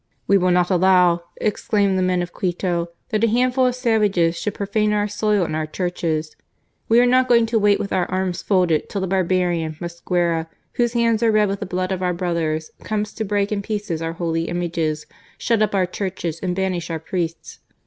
" We will not allow," exclaimed the men of Quito, " that a handful of savages should profane our soil and our churches. We are not going to wait with our arms folded till the barbarian, Mosquera, whose hands are red with the blood of our brothers, comes to break in pieces our holy images, shut up our churches, and banish our priests.